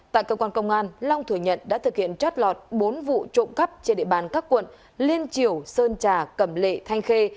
tại cơ quan công an long thừa nhận đã thực hiện trót lọt bốn vụ trộm cắp trên địa bàn các quận liên triều sơn trà cẩm lệ thanh khê